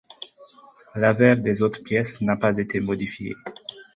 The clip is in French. L'avers des autres pièces n'a pas été modifié.